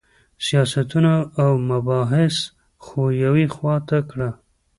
سیاستونه او مباحث خو یوې خوا ته کړه.